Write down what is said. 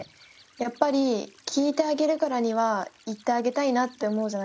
やっぱり聞いてあげるからには言ってあげたいなって思うじゃないですか。